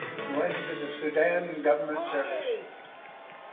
He went into the Sudan Government Service.